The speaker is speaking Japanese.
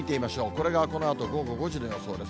これがこのあと午後５時の予想で